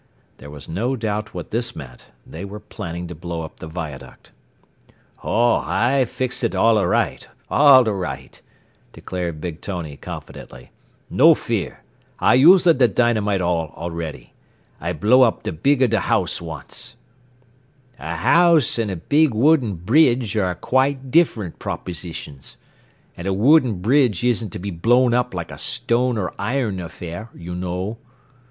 There was no doubt what this meant. They were planning to blow up the viaduct. "Oh, I fixa it alla right, alla right," declared Big Tony confidently. "No fear. I usa da dynamite all aready. I blow up da beega da house once." "A house and a big wooden bridge are quite different propositions. And a wooden bridge isn't to be blown up like a stone or iron affair, you know."